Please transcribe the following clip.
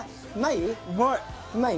うまい？